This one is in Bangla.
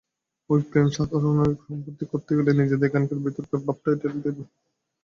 ওই প্রেম সাধারণের সম্পত্তি করতে গেলে নিজেদের এখনকার ভেতরকার ভাবটাই ঠেলে উঠবে।